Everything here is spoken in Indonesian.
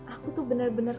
aku tuh bener bener